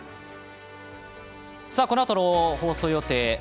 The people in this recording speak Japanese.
このあとの放送予定